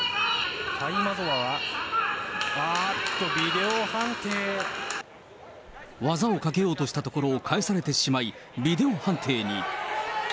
タイマゾワは、あーっと、技をかけようとしたところを返されてしまい、ビデオ判定に。